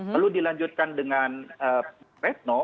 lalu dilanjutkan dengan retno